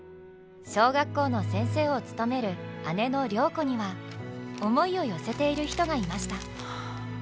小学校の先生を務める姉の良子には思いを寄せている人がいました。